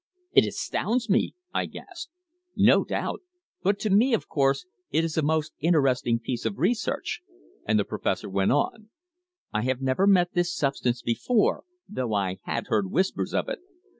"It astounds me!" I gasped. "No doubt. But to me, of course, it is a most interesting piece of research," and the professor went on: "I have never met this substance before, though I had heard whispers of it.